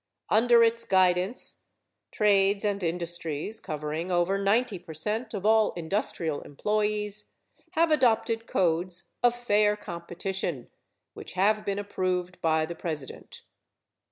Under its guidance, trades and industries covering over 90 percent of all industrial employees have adopted codes of fair competition, which have been approved by the President.